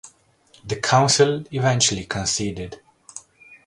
The council eventually conceded.